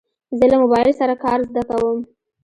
زه له موبایل سره کار زده کوم.